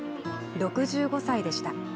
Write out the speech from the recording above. ６５歳でした。